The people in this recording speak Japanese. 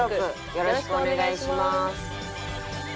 よろしくお願いします。